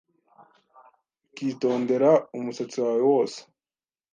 ukitondera umusatsi wawe wose